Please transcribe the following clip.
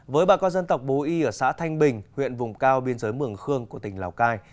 với bà con dân tộc bố y ở xã thanh bình huyện vùng cao biên giới mường khương của tỉnh lào cai